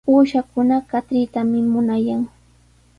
Uushakuna katritami munayan.